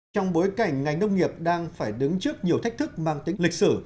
trong bối cảnh ngành nông nghiệp đang phải đứng trước nhiều thách thức mang tính lịch sử